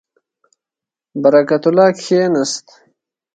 برکت الله کښېنست.